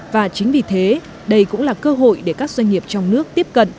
và chính vì thế đây cũng là cơ hội để các doanh nghiệp trong nước tiếp cận